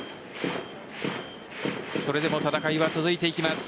それでも戦いが続いていきます。